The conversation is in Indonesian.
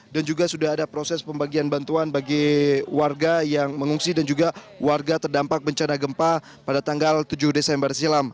dan juga sudah ada proses pembagian bantuan bagi warga yang mengungsi dan juga warga terdampak bencana gempa pada tanggal tujuh desember silam